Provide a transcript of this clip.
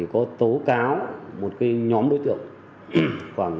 có tố cáo một nhóm đối tượng